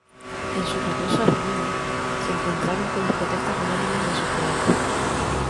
En su regreso a Rimini, se encontraron con las protestas unánimes de sus colegas.